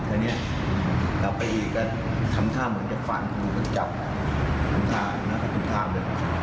ตอนเนี้ยไปอีกก็ทำท่าเหมือนกับฟันหลุมก็จับทำท่าออกาสุดท้ามอะไร